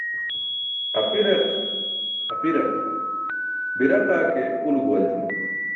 Apiraq apiraq, biraqa ke ulo guwaljuma.